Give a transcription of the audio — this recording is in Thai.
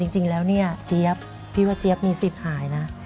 จริงแล้วเนี่ยเจี๊ยบพี่ว่าเจี๊ยบมีสิทธิ์หายนะ